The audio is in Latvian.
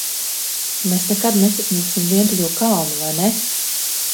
Mēs nekad nesasniegsim vientuļo kalnu, vai ne?